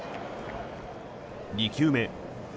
２球目。